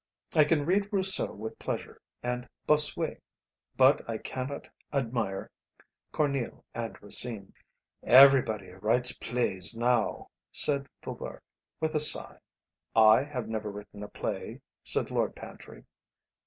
I can read Rousseau with pleasure, and Bossuet; but I cannot admire Corneille and Racine." "Everybody writes plays now," said Faubourg, with a sigh. "I have never written a play," said Lord Pantry.